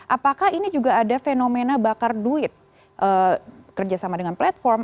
apakah ini juga ada fenomena bakar duit kerjasama dengan platform